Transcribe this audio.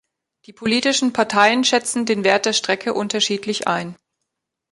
Die politischen Parteien schätzen den Wert der Strecke unterschiedlich ein.